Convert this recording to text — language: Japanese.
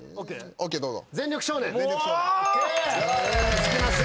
ＯＫどうぞ。